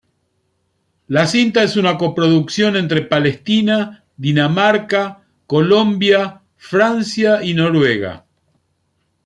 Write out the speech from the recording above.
La cinta es una coproducción entre Palestina, Dinamarca, Colombia, Francia y Noruega.